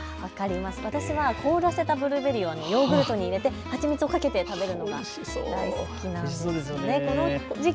私は凍らせたブルーベリーをヨーグルトに入れて蜂蜜をかけて食べるのが大好きなんです。